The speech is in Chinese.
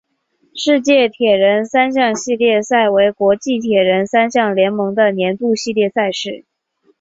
世界铁人三项系列赛为国际铁人三项联盟的年度系列赛事。